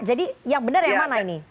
jadi yang bener yang mana ini